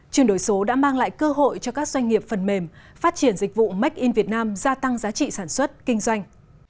chuyển đổi số đã mang lại cơ hội cho các doanh nghiệp phần mềm phát triển dịch vụ make in việt nam gia tăng giá trị sản xuất kinh doanh